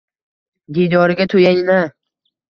Diydoriga to'yayin-a.